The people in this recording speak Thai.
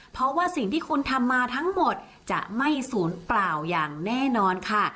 เพราะว่าสิ่งที่คุณทำมาทั้งหมดจะไม่ศูนย์เปล่าอย่างแน่นอนค่ะ